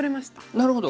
なるほど。